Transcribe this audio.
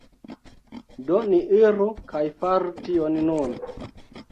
Do, ni iru kaj faru tion nun